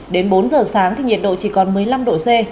đến bốn giờ sáng thì nhiệt độ chỉ còn một mươi năm độ c